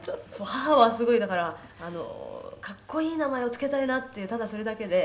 「母はすごいだからあの格好いい名前を付けたいなっていうただそれだけで」